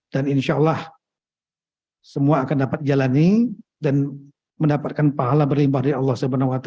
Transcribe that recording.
dan insya allah semua akan dapat jalani dan mendapatkan pahala berlimpah dari allah swt